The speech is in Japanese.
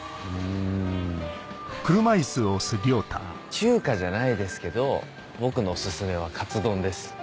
中華じゃないですけど僕のオススメはカツ丼です。